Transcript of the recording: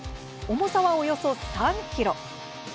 重さはおよそ３ｋｇ。